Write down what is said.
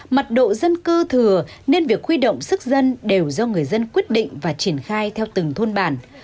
mật độ dân cư thừa nên việc khuy động sức dân đều do người dân quyết định và triển khai theo từng thôn bản